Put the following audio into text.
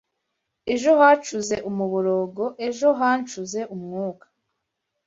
Ejo hacuze umuborogo, ejo hancuze umwuka